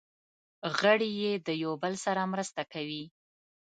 غړي یې د یو بل سره مرسته کوي.